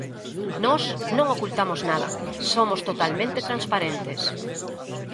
Nós non ocultamos nada, somos totalmente transparentes.